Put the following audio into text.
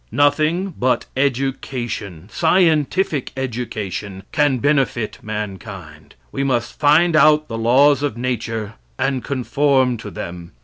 Nothing but education scientific education can benefit mankind. We must find out the laws of nature and conform to them.